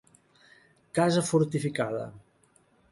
Casa fortificada.